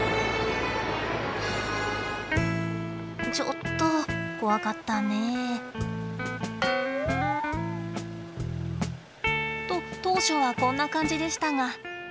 ちょっと怖かったねえ。と当初はこんな感じでしたが。